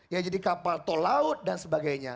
ya jadi kapal tol laut dan sebagainya